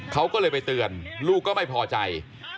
เขาก็เลยไปเตือนลูกก็ไม่พอใจ